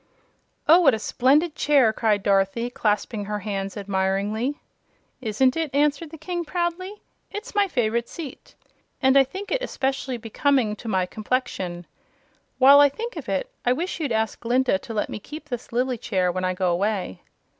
"Oh, what a splendid chair!" cried Dorothy, clasping her hands admiringly. "Isn't it?" answered the King, proudly. "It is my favorite seat, and I think it especially becoming to my complexion. While I think of it, I wish you'd ask Glinda to let me keep this lily chair when I go away."